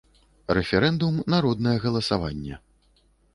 РЭФЕРЭНДУМ - НАРОДНАЕ ГАЛАСАВАННЕ.